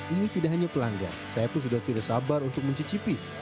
ini tidak hanya pelanggan saya pun sudah tidak sabar untuk mencicipi